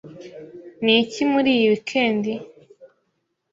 Niki muri iyi weekend?